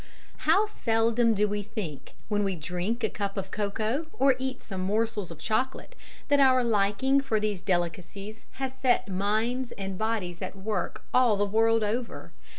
How seldom do we think, when we drink a cup of cocoa or eat some morsels of chocolate, that our liking for these delicacies has set minds and bodies at work all the world over!